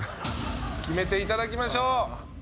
決めていただきましょう。